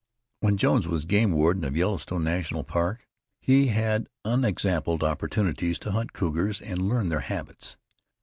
When Jones was game warden of the Yellowstone National Park, he had unexampled opportunities to hunt cougars and learn their habits.